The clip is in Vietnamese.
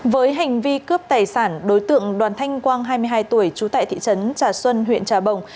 với hành vi cướp tài sản đối tượng đoàn thanh quang hai mươi hai tuổi trú tại thị trấn trà xuân huyện trà bồng